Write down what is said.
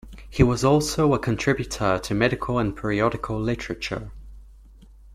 He was also a contributor to medical and periodical literature.